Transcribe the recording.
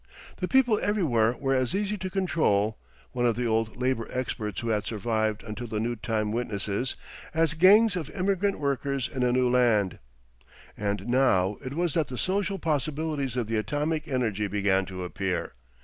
The people everywhere were as easy to control, one of the old labour experts who had survived until the new time witnesses, 'as gangs of emigrant workers in a new land.' And now it was that the social possibilities of the atomic energy began to appear.